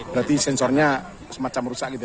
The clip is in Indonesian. berarti sensornya semacam rusak gitu ya